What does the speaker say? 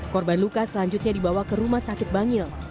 korban luka selanjutnya dibawa ke rumah sakit bangil